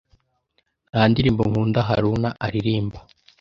Nta ndirimbo nkunda Haruna aririmba.